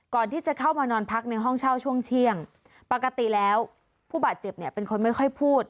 ก่อนที่จะเข้ามานอนพักในห้องเช่าช่วงเที่ยงปกติแล้วผู้บาดเจ็บเนี่ยเป็นคนไม่ค่อยพูด